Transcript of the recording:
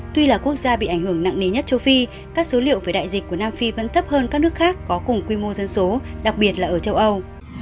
tuy là quốc gia bị ảnh hưởng nặng nề nhất châu phi các số liệu về đại dịch của nam phi vẫn thấp hơn các nước khác có cùng quy mô dân số đặc biệt là ở châu âu